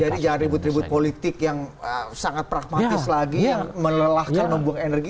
jadi jangan ribut ribut politik yang sangat pragmatis lagi yang melelahkan nombong energi